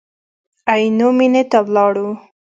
عینو مېنې ته ولاړو.